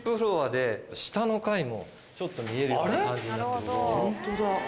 下の階もちょっと見えるような感じになってる。